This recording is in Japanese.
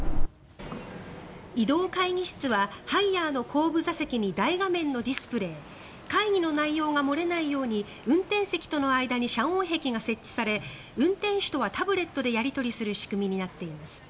移動会議室はハイヤーの後部座席に大画面のディスプレー会議の内容が漏れないように運転席との間に遮音壁が設置され運転手とはタブレットでやり取りする仕組みになっています。